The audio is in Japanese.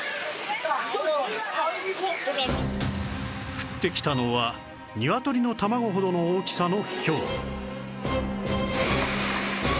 降ってきたのはニワトリの卵ほどの大きさのひょう